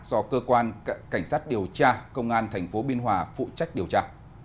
do cơ quan cảnh sát điều tra công an tp biên hòa phụ trách điều tra